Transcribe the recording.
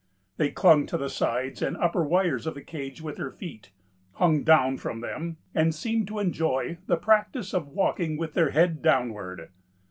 They clung to the sides and upper wires of the cage with their feet, hung down from them, and seemed to enjoy the practice of walking with their head downward.